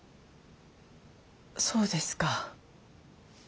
そうですか。